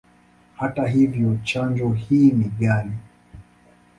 Hata hivyo, chanjo hii ni ghali.